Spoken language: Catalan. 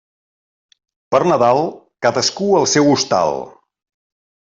Per Nadal, cadascú al seu hostal.